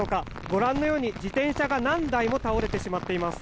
ご覧のように自転車が何台も倒れてしまっています。